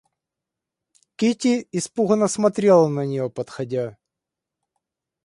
Кити испуганно смотрела на нее, подходя.